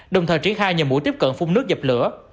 đồng thời triển khai nhờ mũi tiếp cận phun nước dập lửa